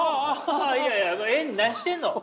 いやいや何してんの！